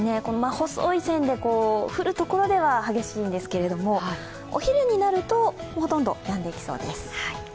細い線で、降るところでは激しいんですけれども、お昼になると、ほとんどやんでいきそうです。